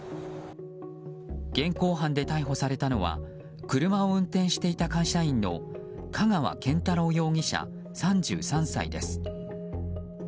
現行犯で逮捕されたのは車を運転していた会社員の香川健太郎容疑者、３３歳です。